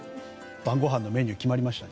晩御飯のメニューが決まりましたね。